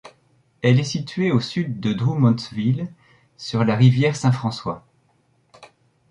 Elle est située au sud de Drummondville, sur la rivière Saint-François.